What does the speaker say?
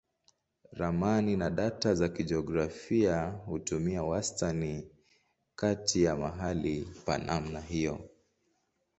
Ramani na data za kijiografia hutumia wastani kati ya mahali pa namna hiyo.